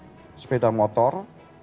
juga mengerahkan sepeda motor